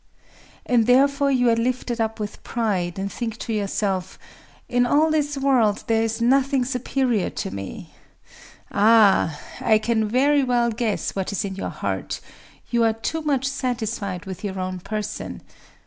"And therefore you are lifted up with pride, and think to yourself: 'In all this world there is nothing superior to me!' Ah! I can very well guess what is in your heart: you are too much satisfied with your own person.